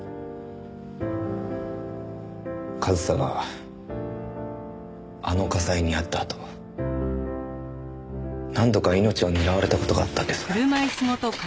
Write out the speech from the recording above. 和沙があの火災に遭ったあと何度か命を狙われた事があったんです。